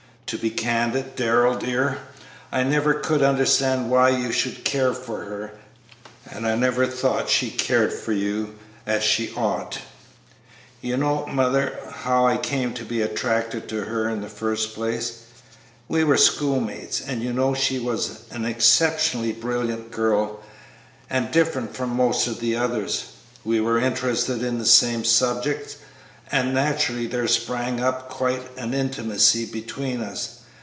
To be candid, Darrell dear, I never could understand why you should care for her, and I never thought she cared for you as she ought." "You know, mother, how I came to be attracted to her in the first place; we were schoolmates, and you know she was an exceptionally brilliant girl, and different from most of the others. We were interested in the same subjects, and naturally there sprang up quite an intimacy between us.